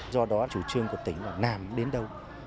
do đó chủ trương của tỉnh là làm đến đâu